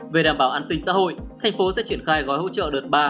về đảm bảo an sinh xã hội thành phố sẽ triển khai gói hỗ trợ đợt ba